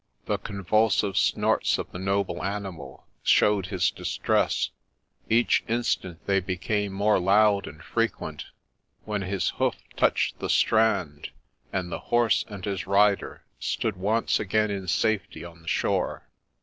The convulsive snorts of the noble animal showed his distress ; each instant they became more loud and frequent ; when his hoof touched the strand, and ' the horse and his rider ' stood once again in safety on the shore.